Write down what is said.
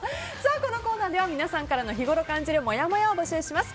このコーナーでは皆さんからの日ごろ感じるもやもやを募集します。